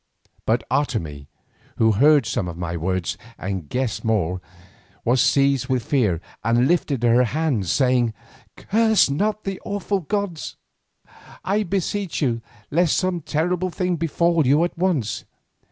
But Otomie, who heard some of my words and guessed more, was seized with fear and lifted her hands, saying: "Curse not the awful gods, I beseech you, lest some terrible thing befall you at once.